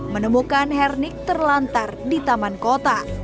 menemukan hernik terlantar di taman kota